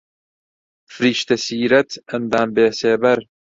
فریشتە سیرەت، ئەندام بێسێبەر